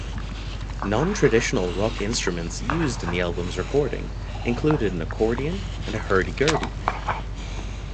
Non-traditional rock instruments used in the album's recording included an accordion and a hurdy-gurdy.